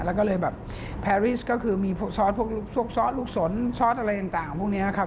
แล้วก็เลยแบบแพรรี่ก็คือมีพวกซอสพวกซอสลูกสนซอสอะไรต่างพวกนี้ครับ